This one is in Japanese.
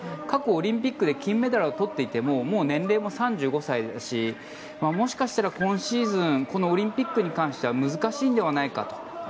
過去、オリンピックで金メダルを取っていても年齢も３５歳ですしもしかしたら今シーズンこのオリンピックに関しては難しいのではないかと。